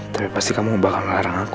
tapi pasti kamu bakal melarang aku